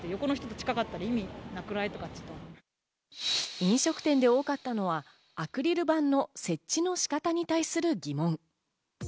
飲食店で多かったのはアクリル板の設置の仕方に対する疑問。